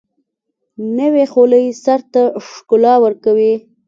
نوې خولۍ سر ته ښکلا ورکوي